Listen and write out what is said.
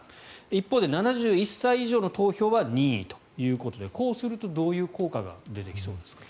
一方で７１歳以上の投票は任意ということでこうすると、どういう効果が出てきそうですか。